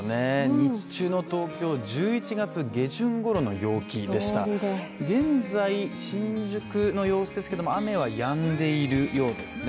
日中の東京１１月下旬頃の陽気でしたが、現在、新宿の様子ですけども雨は止んでいるようですね。